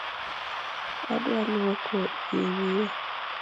Adwa luoko yie wiya